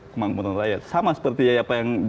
kemampuan rakyat sama seperti yaya apa yang